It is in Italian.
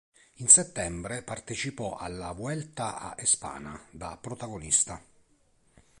In settembre partecipò alla Vuelta a España da protagonista.